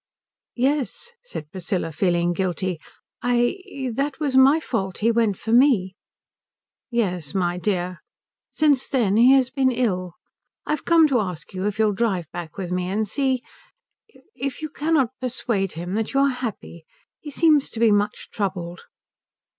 "Yes," said Priscilla, feeling guilty, "I that was my fault. He went for me." "Yes my dear. Since then he has been ill. I've come to ask you if you'll drive back with me and see if if you cannot persuade him that you are happy. He seems to be much troubled."